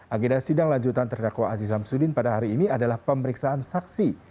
agenda sidang lanjutan terdakwa aziz samsudin pada hari ini adalah pemeriksaan saksi